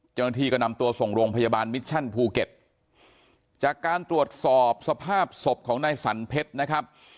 เจ้าหน้าที่ก็นำตัวส่งโรงพยาบาลมิชชั่นภูเก็ตจากการตรวจสอบสภาพศพของนายสันเพชรนะครับ